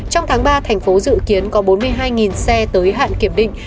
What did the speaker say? trong tháng ba tp hcm dự kiến có bốn mươi hai xe tới hạn kiểm định